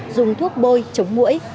dùng thuốc bôi chống mũi